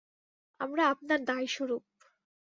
আমরা আপনার দায়স্বরূপ।